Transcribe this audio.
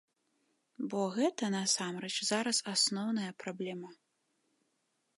Бо гэта насамрэч зараз асноўная праблема.